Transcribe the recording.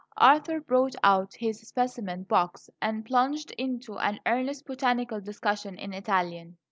Arthur brought out his specimen box and plunged into an earnest botanical discussion in Italian.